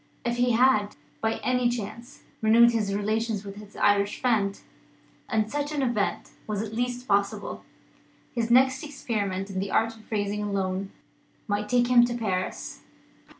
If he had, by any chance, renewed his relations with his Irish friend and such an event was at least possible his next experiment in the art of raising a loan might take him to Paris.